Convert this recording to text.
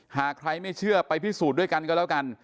หากใครไม่เชื่อไปพิสูจน์ด้วยกันก็แล้วกัน